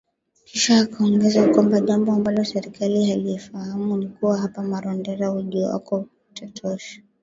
Kisha akaongeza kwamba "jambo ambalo serikali hailifahamu ni kuwa hapa Marondera, ujio wake unatosha”